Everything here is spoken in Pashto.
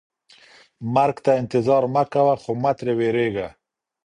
مرګ ته انتظار مه کوه خو مه ترې ویریږه.